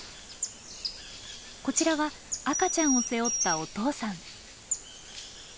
こちらは赤ちゃんを背負ったお父さん。